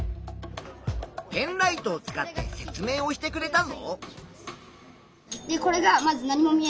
ペンライトを使って説明をしてくれたぞ。